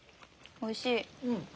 おいしい！